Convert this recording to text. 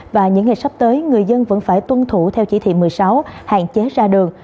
và những ngày sắp tới người dân vẫn phải tuân thủ theo chỉ thị một mươi sáu hạn chế ra đường